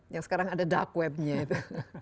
yang sekarang ada dark webnya itu